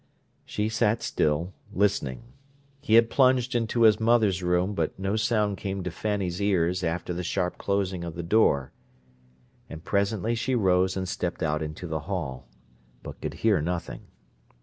She sat still, listening. He had plunged into his mother's room, but no sound came to Fanny's ears after the sharp closing of the door; and presently she rose and stepped out into the hall—but could hear nothing.